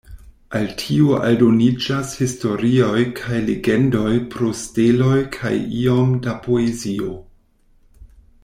Al tio aldoniĝas historioj kaj legendoj pro steloj kaj iom da poezio.